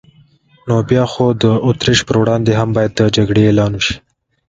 نو بیا خو د اتریش پر وړاندې هم باید د جګړې اعلان وشي.